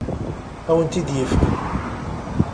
Ad awent-t-id-ifek.